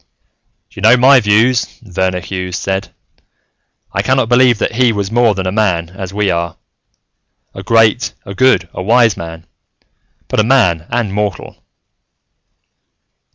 "You know my views," Verner Hughes said. "I cannot believe that He was more than a man, as we are. A great, a good, a wise man, but a man and mortal."